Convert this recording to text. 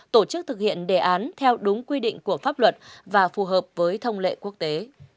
tổ chức thực hiện đề án theo đúng quy định của pháp luật và phù hợp với thông lệ quốc tế